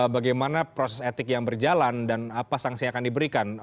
bagaimana proses etik yang berjalan dan apa sanksi yang akan diberikan